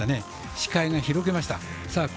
視界が開けました。